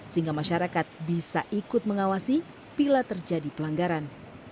sehingga masyarakat bisa ikut mengawasi bila terjadi pelanggaran